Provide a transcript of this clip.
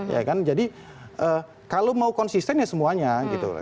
ya kan jadi kalau mau konsisten ya semuanya gitu loh